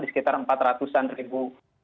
di sekitar empat ratus an ribu